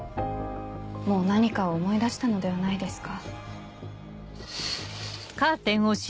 もう何かを思い出したのではないですか？